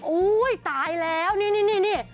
อุ้ยตายแล้วนี่